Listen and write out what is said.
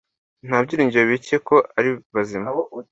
nta byiringiro bike ko ari bazima